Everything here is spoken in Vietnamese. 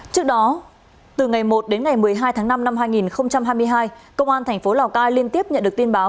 trước đó từ ngày một đến ngày một mươi hai tháng năm năm hai nghìn hai mươi hai công an thành phố lào cai liên tiếp nhận được tin báo